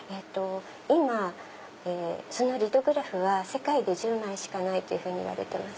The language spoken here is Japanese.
今そのリトグラフは世界で１０枚しかないといわれてます。